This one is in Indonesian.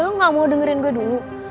lo gak mau dengerin gue dulu